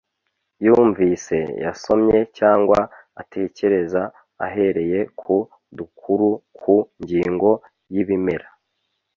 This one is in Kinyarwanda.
yumvise, yasomye cyangwa atekereza ahereye ku dukuru ku ngingo y’ibimera,